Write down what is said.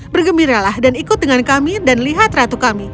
bergembiralah dan ikut dengan kami dan lihat ratu kami